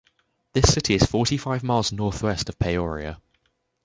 This city is forty-five miles northwest of Peoria.